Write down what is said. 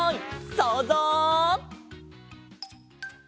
そうぞう！